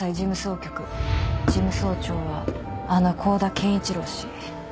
事務総長はあの香田健一郎氏。